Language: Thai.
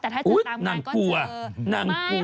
แต่ถ้าเจอตามมาก็เจอนั่งกลัว